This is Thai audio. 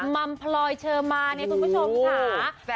มัมพลอยเชอร์มาเนี่ยคุณผู้ชมค่ะ